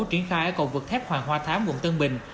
triển khai ở cầu vượt thép hoàng hoa thám quận tân bình